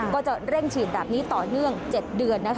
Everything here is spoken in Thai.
ก็จะเร่งฉีดแบบนี้ต่อเนื่อง๗เดือน